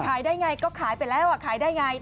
ขายได้อย่างไรก็ขายไปแล้วขายได้อย่างไร